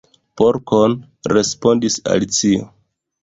"Porkon," respondis Alicio.